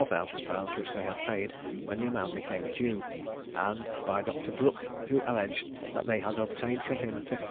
_ which they had paid when the amount became due; and by Dr. Brooke, who alleged that they had obtained from him 1500_l.